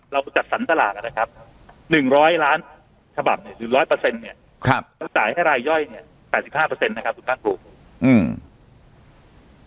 เราจัดสรรตลาด๑๐๐ล้านกรัม๑๐๐แล้วจ่ายให้รายย่อย๘๕คุณภาคภูมิ